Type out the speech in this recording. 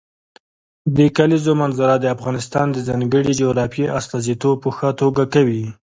د کلیزو منظره د افغانستان د ځانګړي جغرافیې استازیتوب په ښه توګه کوي.